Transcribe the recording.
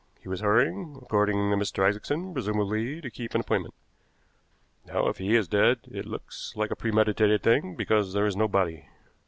He was hurrying, according to Mr. Isaacson, presumably to keep an appointment. Now, if he is dead, it looks like a premeditated thing, because there is no body.